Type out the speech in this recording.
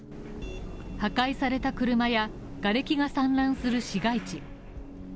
破壊された車やがれきが散乱する市街地。